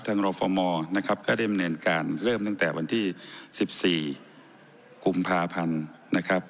รฟมนะครับก็ได้ดำเนินการเริ่มตั้งแต่วันที่๑๔กุมภาพันธ์นะครับ